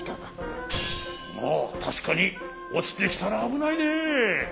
おおたしかにおちてきたらあぶないね！